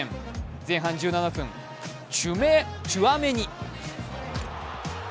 前半１７分、チュアメニ。